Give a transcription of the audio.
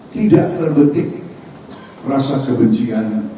tidak terbetik rasa kebenciannya